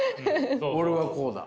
俺はこうだ。